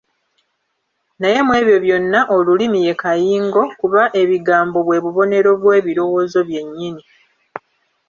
Naye mu ebyo byonna olulimi ye kayingo, kuba ebigambo bwe bubonero bw'ebirowoozo byennyini.